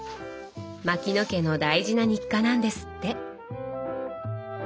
牧野家の大事な日課なんですって。